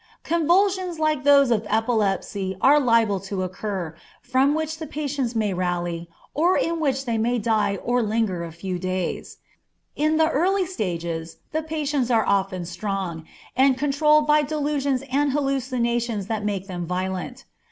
Convulsions like those of epilepsy are liable to occur, from which the patients may rally, or in which they may die or linger a few days. In the earlier stages the patients are often strong, and controlled by delusions and hallucinations that make them violent.